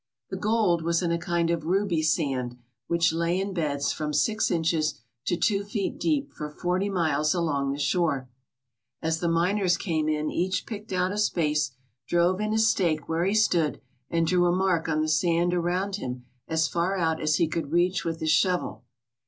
The gold was in a kind of ruby sand which lay in beds from six inches to two feet deep for forty miles along the shore. As the miners came in each picked out a space, drove in a stake where he stood, and drew a mark on the sand around him as far out as he could reach with his shovel.